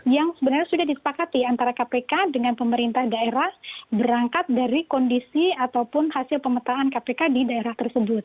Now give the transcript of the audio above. yang sebenarnya sudah disepakati antara kpk dengan pemerintah daerah berangkat dari kondisi ataupun hasil pemetaan kpk di daerah tersebut